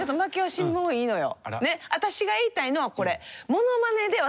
私が言いたいのはこれ！